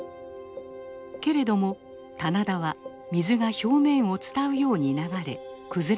けれども棚田は水が表面を伝うように流れ崩れませんでした。